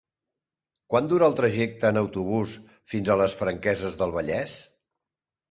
Quant dura el trajecte en autobús fins a les Franqueses del Vallès?